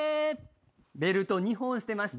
ベルト２本してました。